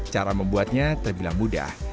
cara membuatnya terbilang mudah